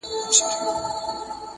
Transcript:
زموږ پر زخمونو یې همېش زهرپاشي کړې ده ـ